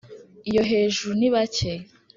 'iyo hejuru ni bake'